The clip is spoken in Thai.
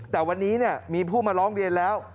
แต่วันนี้มีผู้มาร้องเรียนแล้ว